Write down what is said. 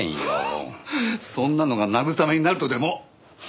そんなのが慰めになるとでも！？